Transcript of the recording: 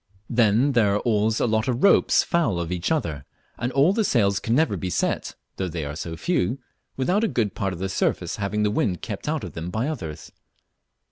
Then there are always a lot of ropes foul of each other, and all the sails can never be set (though they are so few) without a good part of their surface having the wind kept out of them by others.